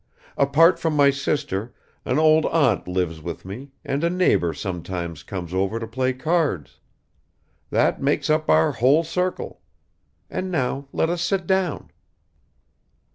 Apart from my sister, an old aunt lives with me, and a neighbor sometimes comes over to play cards. That makes up our whole circle. And now let us sit down."